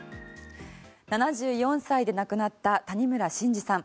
７４歳で亡くなった谷村新司さん。